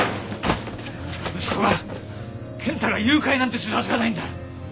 息子が健太が誘拐なんてするはずがないんだ！